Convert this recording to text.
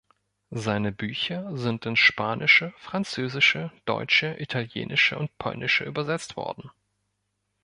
Seine Bücher sind ins Spanische, Französische, Deutsche, Italienische und Polnische übersetzt worden.